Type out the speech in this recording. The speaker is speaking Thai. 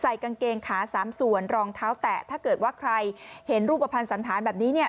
กางเกงขาสามส่วนรองเท้าแตะถ้าเกิดว่าใครเห็นรูปภัณฑ์สันธารแบบนี้เนี่ย